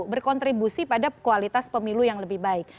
berkontribusi pada kualitas pemilu yang lebih baik